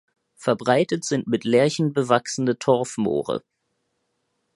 Verbreitet sind mit Lärchen bewachsene Torfmoore.